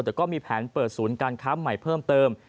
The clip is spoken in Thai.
แต่ก็มีแผนเปิดศูนย์การค้าใหม่เพิ่มเติม